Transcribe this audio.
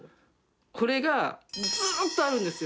これがずっとあるんですよ。